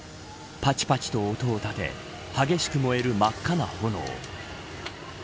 パチパチと音を立て激しく燃える真っ赤な炎。